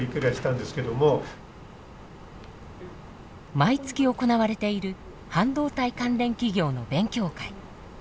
毎月行われている半導体関連企業の勉強会。